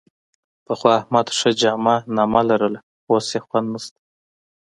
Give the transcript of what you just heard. پخوا احمد ښه جامه نامه لرله، خو اوس یې خوند نشته.